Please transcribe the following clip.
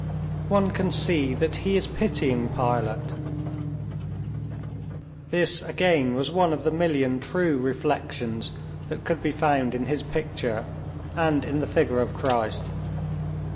"One can see that He is pitying Pilate." This again was one of the million true reflections that could be found in his picture and in the figure of Christ.